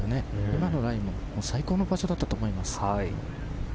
今のラインも最高の場所だったと思います。